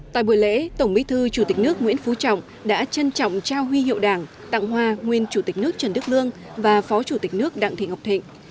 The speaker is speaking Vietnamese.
tại buổi lễ tổng bí thư chủ tịch nước nguyễn phú trọng đã trân trọng trao huy hiệu đảng tặng hoa nguyên chủ tịch nước trần đức lương và phó chủ tịch nước đặng thị ngọc thịnh